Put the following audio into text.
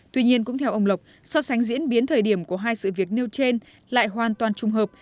tuy nhiên cũng theo ông lộc so sánh diễn biến thời điểm của hai sự việc nêu trên lại hoàn toàn trùng hợp